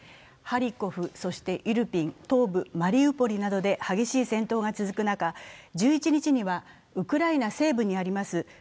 ハリコフ、イルピン、東部マリウポリなどで激しい戦闘が続く中、１１日にはウクライナ西部にあります